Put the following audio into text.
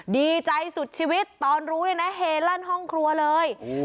ดีใจสุดชีวิตตอนรู้เลยนะเฮลั่นห้องครัวเลย